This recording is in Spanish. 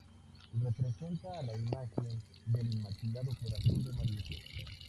Representa a la imagen del Inmaculado Corazón de María.